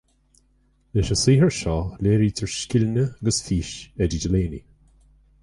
Leis an saothar seo léirítear scileanna agus fís Eddie Delaney